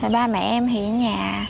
ba mẹ em hiện nhà